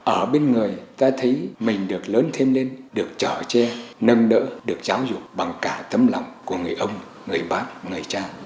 ở bên người ta thấy mình được lớn thêm lên được trở tre nâng đỡ được giáo dục bằng cả tấm lòng của người ông người bác người cha